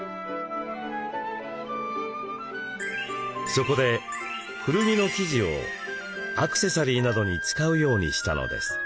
そこで古着の生地をアクセサリーなどに使うようにしたのです。